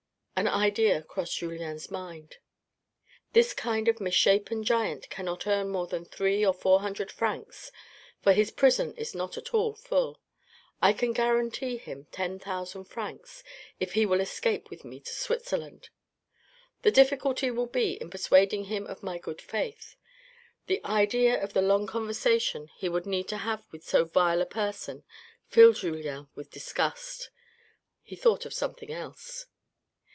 An idea crossed Julien's mind. " This kind of misshapen giant cannot earn more than three or four hundred francs, for his prison is not at all full. .1 can guarantee him ten thousand francs, if he will escape with me to Switzerland. The difficulty will be in persuading him of my good faith." The idea of the long conversation he would need to have with so vile a person filled Julien with disgust. He thought of something else.